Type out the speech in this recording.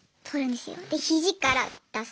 で肘から出す。